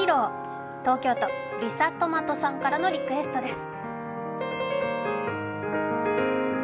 東京都、りさとまとさんからのリクエストです。